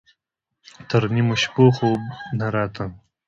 تر نيمو شپو خوب نه راته.